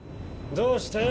どうした？